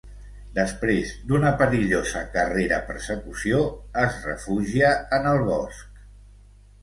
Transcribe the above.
Després d'una perillosa carrera-persecució, es refugia en el bosc.